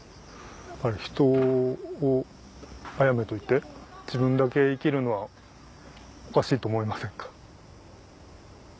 人を殺めといて自分だけ生きるのはおかしいと思いませんか？